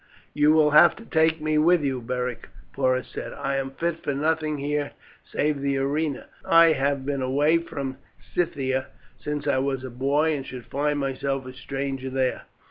"You will have to take me with you, Beric," Porus said. "I am fit for nothing here save the arena. I have been away from Scythia since I was a boy, and should find myself a stranger there."